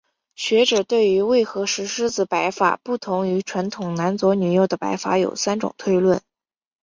学者对于为何石狮子摆法不同于传统男左女右的摆法有三种推论。